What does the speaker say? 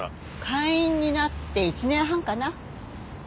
会員になって１年半かな。